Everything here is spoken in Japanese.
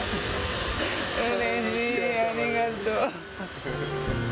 うれしい、ありがとう。